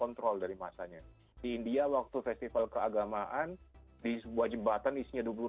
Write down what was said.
control dari masanya di india waktu festival keagamaan di sebuah jembatan isinya dua puluh